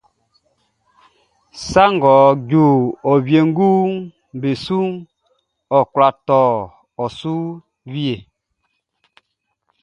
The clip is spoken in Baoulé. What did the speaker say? Sa ngʼɔ ju e wienguʼm be suʼn, ɔ kwla tɔ e su wie.